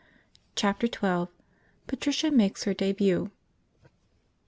Chapter XII. Patricia makes her debut.